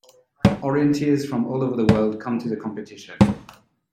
Orienteers from all over the world come to the competition.